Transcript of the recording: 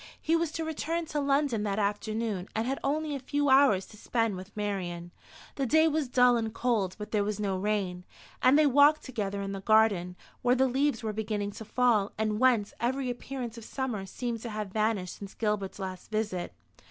He was to return to London that afternoon, and had only a few hours to spend with Marian. The day was dull and cold, but there was no rain; and they walked together in the garden, where the leaves were beginning to fall, and whence every appearance of summer seemed to have vanished since Gilbert's last visit.